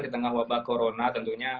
di tengah wabah corona tentunya